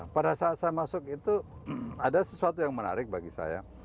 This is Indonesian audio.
pada saat saya masuk itu ada sesuatu yang menarik bagi saya